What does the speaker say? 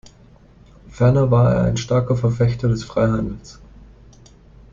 Ferner war er ein starker Verfechter des Freihandels.